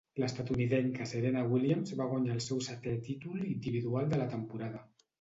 L'estatunidenca Serena Williams va guanyar el seu setè títol individual de la temporada.